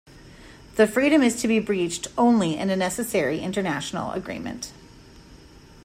The freedom is to be breached only in a necessary international agreement.